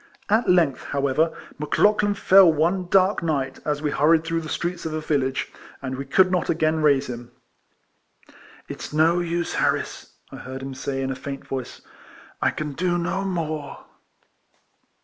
At length, however, Mc Lauchlan fell one dark night, as we hurried through the streets of a village, and we could not again raise him. " It's no use, Harris," I heard him say, in a faint voice, " I can do no more."